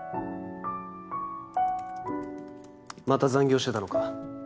・また残業してたのか。